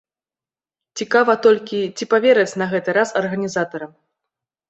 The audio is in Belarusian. Цікава толькі, ці павераць на гэты раз арганізатарам.